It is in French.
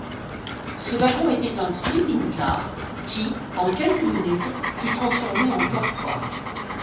Ce wagon était un « sleeping-car », qui, en quelques minutes, fut transformé en dortoir.